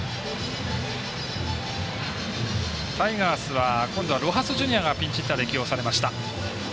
タイガースは今度はロハス・ジュニアがピンチヒッターで起用されました。